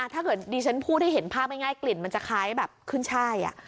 ถ้าเกิดดิฉันพูดให้เห็นภาพง่ายกลิ่นมันจะคล้ายแบบขึ้นช่าย